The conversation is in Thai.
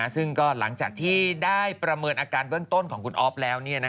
ซึ่งก็หลังจากที่ได้ประเมินอาการเบื้องต้นของคุณอ๊อฟแล้ว